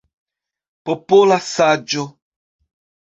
Popola saĝo!